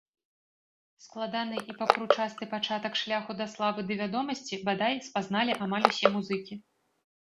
Складаны і пакручасты пачатак шляху да славы ды вядомасці, бадай, спазналі амаль усе музыкі.